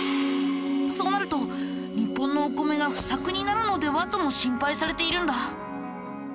そうなると日本のお米が不作になるのでは？とも心配されているんだ。